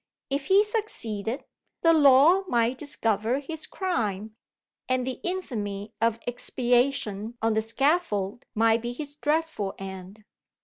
If he succeeded, the law might discover his crime, and the infamy of expiation on the scaffold might be his dreadful end.